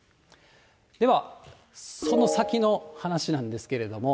では、その先の話なんですけれども。